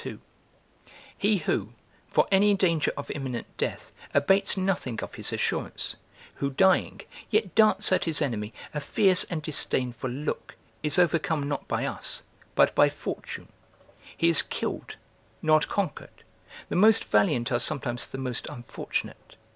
2.] he who, for any danger of imminent death, abates nothing of his assurance; who, dying, yet darts at his enemy a fierce and disdainful look, is overcome not by us, but by fortune; he is killed, not conquered; the most valiant are sometimes the most unfortunate.